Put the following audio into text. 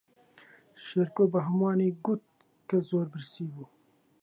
شێرکۆ بە ھەمووانی گوت کە زۆر برسی بوو.